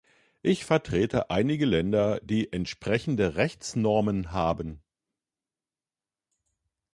Ich vertrete einige Länder, die entsprechende Rechtsnormen haben.